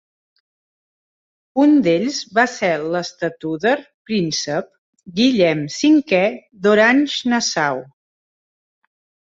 Un d'ells va ser l'estatúder-príncep Guillem V d'Orange-Nassau.